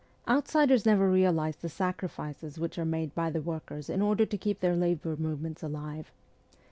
Outsiders never realize the sacrifices which are made by the workers in order to keep their labour movements alive.